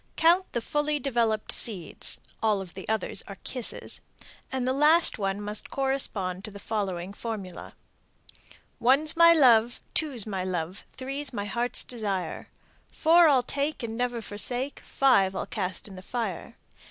Count the fully developed seeds (all of the others are kisses), and the last one must correspond to the following formula: One's my love, Two's my love, Three's my heart's desire. Four I'll take and never forsake, Five I'll cast in the fire.